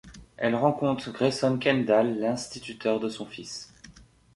Elle rencontre Grayson Kendall l'instituteur de son fils.